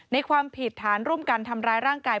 ความผิดฐานร่วมกันทำร้ายร่างกาย